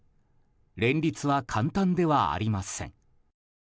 連立は簡単ではありません。